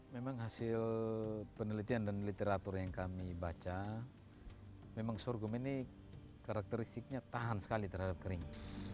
memang hasil penelitian dan literatur yang kami baca memang sorghum ini karakteristiknya tahan sekali terhadap kering